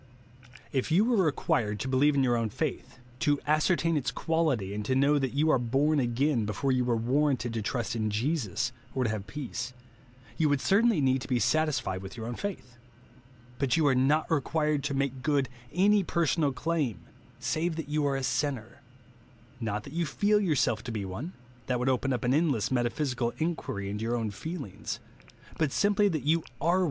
If you were required to believe in your o^vn faith, to ascertain its quality, and to know that you are born again, before you were warranted to trust in Jesus, or to have peace, you would certainly need to be satis fied with your own faith. But you are not required to make good any personal claim, save that you are a sinner ;— not that you feel yourself to be one (that would open up an endless metaphysical inquiry into your own feelings) ;— but simply that you aro JESUS ONLY.